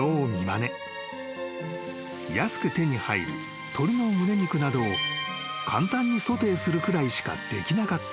［安く手に入る鶏のむね肉などを簡単にソテーするくらいしかできなかったのだが］